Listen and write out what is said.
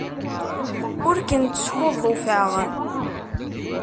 Ur kent-skuḍḍufeɣ.